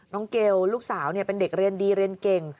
เกลลูกสาวเป็นเด็กเรียนดีเรียนเก่ง